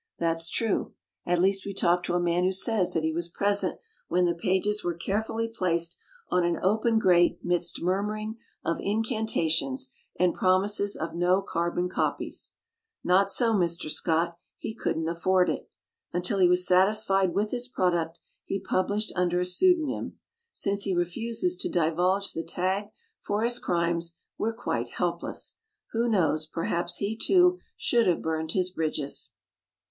That's true — at least we talked to a man who says that he was present when the pages were carefully placed on an open grate midst murmuring of incantations, and promises of "no carbon copies". Not so Mr. Scott — ^he couldn't afford it. Until he was satisfied with his product, he published under a pseudonym. Since he refuses to divulge the tag for his crimes, we're quite helpless. Who knows; perhaps he, too, should have burned his bridges.